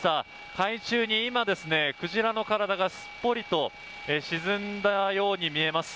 海中に今、クジラの体がすっぽりと沈んだように見えます。